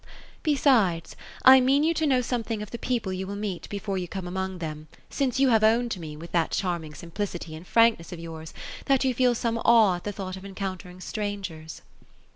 ^* Besides, I mean ynu to know something of the people you will meet, before you come among them, since you have owned to me, with that charming simplicity and frankness of yours, that you feel some awe at the thought of encountering strangers."